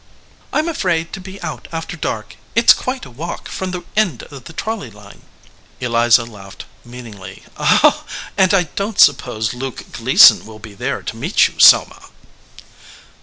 "I am afraid to be out after dark. It s quite a walk from the end of the trolley line." Eliza laughed meaningly. "And I don t suppose Luke Gleason will be there to meet you, Selma."